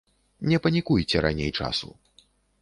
Не панікуйце раней часу.